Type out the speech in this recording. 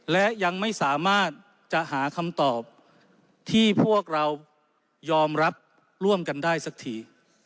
และยังไม่สามารถจะหาคำตอบที่พวกเรายอมรับร่วมกันได้สักที